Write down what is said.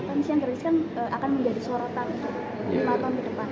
kondisi yang gratis kan akan menjadi sorotan lima tahun ke depan